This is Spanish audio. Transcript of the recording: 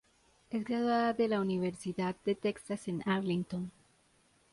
Es graduada de la Universidad de Texas en Arlington.